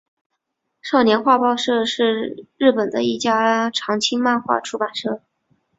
少年画报社是日本的一家长青漫画出版社。